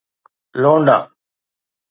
لونڊا